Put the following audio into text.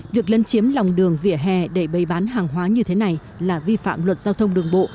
việc lân chiếm lòng đường vỉa hè để bày bán hàng hóa như thế này là vi phạm luật giao thông đường bộ